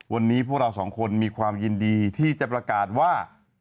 วันนี้พวกเราสองคนมีความยินดีที่จะประกาศว่า